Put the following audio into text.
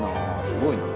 すごいな。